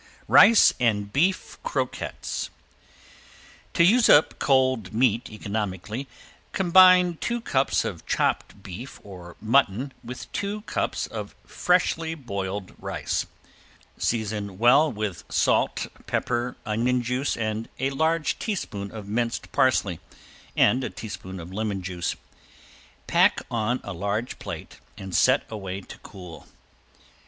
~RICE AND BEEF CROQUETTES~ To use up cold meat economically combine two cups of chopped beef or mutton with two cups of freshly boiled rice. Season well with salt, pepper, onion juice, a large teaspoon of minced parsley, and a teaspoon of lemon juice. Pack on a large plate and set away to cool.